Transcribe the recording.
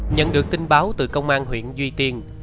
nhận được tin báo từ công an huyện duy tiên